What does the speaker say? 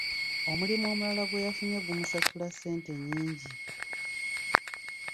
Omulimu omulala gwe yafunye gumusasula ssente nnyingi.